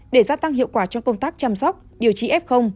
để gia tăng hiệu quả trong công tác chăm sóc điều trị f